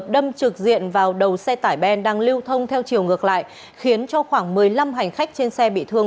đâm trực diện vào đầu xe tải ben đang lưu thông theo chiều ngược lại khiến cho khoảng một mươi năm hành khách trên xe bị thương